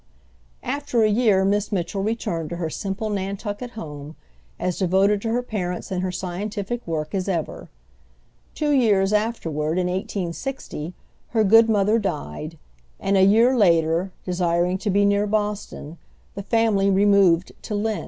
After a year, Miss Mitchell returned to her simple Nantucket home, as devoted to her parents and her scientific work as ever. Two years afterward, in 1860, her good mother died, and a year later, desiring to be near Boston, the family removed to Lynn.